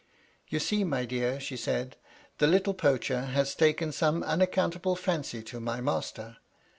"You see, my dear," she said, "the little poacher has taken some unaccountable fancy to my master."